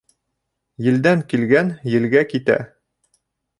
Елдән килгән елгә китә.